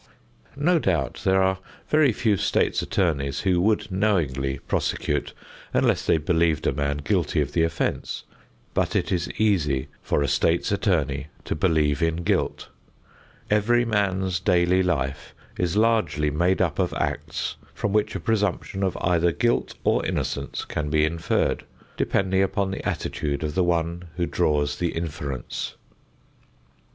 No doubt there are very few State's Attorneys who would knowingly prosecute unless they believed a man guilty of the offense, but it is easy for a State's Attorney to believe in guilt. Every man's daily life is largely made up of acts from which a presumption of either guilt or innocence can be inferred, depending upon the attitude of the one who draws the inference.